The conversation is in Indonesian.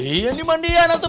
iya dimandikan tenang lah